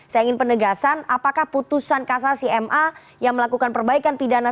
saya ingin penegasan apakah putusan kasasi ma yang melakukan perbaikan pidana